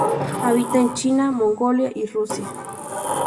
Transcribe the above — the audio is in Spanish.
Habita en China, Mongolia y Rusia.